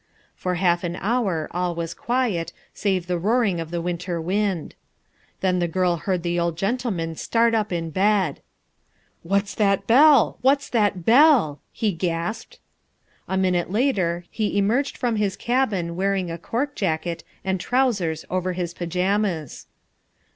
For half an hour all was quiet, save the roaring of the winter wind. Then the girl heard the old gentleman start up in bed. "What's that bell, what's that bell?" he gasped. A minute later he emerged from his cabin wearing a cork jacket and trousers over his pyjamas.